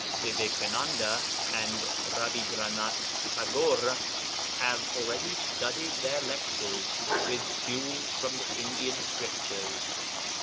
Vivekananda and Rabindranath Tagore have already studded their lectures with jewels from the Indian Scriptures.